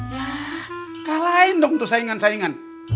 ya kalahin dong tuh saingan saingan